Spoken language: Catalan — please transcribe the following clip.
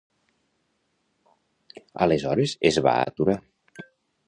Aleshores, es va aturar.